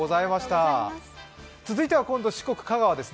続いては四国・香川です。